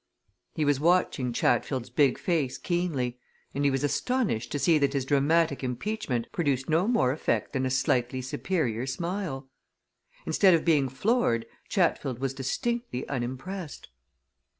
He was watching Chatfield's big face keenly, and he was astonished to see that his dramatic impeachment produced no more effect than a slightly superior smile. Instead of being floored, Chatfield was distinctly unimpressed.